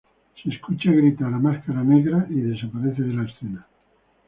Máscara Negra es escuchado gritando, y desaparece de la escena.